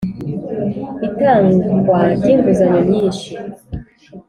Itangwa ry inguzanyo nyinshi